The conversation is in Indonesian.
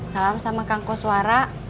salam sama kangkos suara